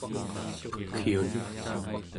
Pekyun